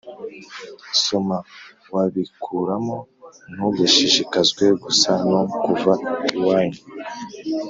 somo wabikuramo Ntugashishikazwe gusa no kuva iwanyu